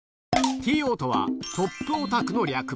ＴＯとは、トップオタクの略。